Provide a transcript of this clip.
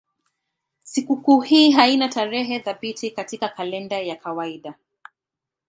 Sikukuu hii haina tarehe thabiti katika kalenda ya kawaida.